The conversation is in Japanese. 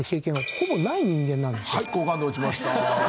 はい好感度落ちました。